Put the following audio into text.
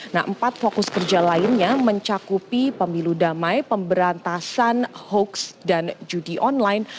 nah empat fokus kerja lainnya mencakupi pemilu damai pemberantasan hoaks dan judi online